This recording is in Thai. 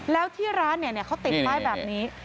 แล้วที่ร้านเขาติดป้ายแบบนี้